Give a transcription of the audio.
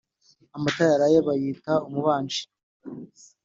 Amata yaraye bayita umubanji